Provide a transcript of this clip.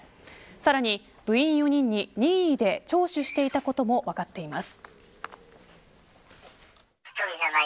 さらに部員４人に任意で聴取していたことも分かっています。